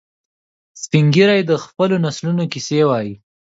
سپین ږیری د خپلو نسلونو کیسې وایي